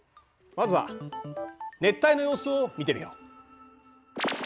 まずは熱帯の様子を見てみよう。